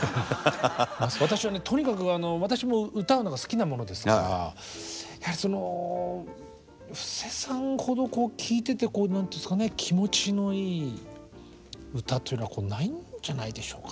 私はねとにかく私も歌うのが好きなものですからやはりその布施さんほど聴いていてこう何ていうんですかね気持ちのいい歌というのはないんじゃないでしょうかね。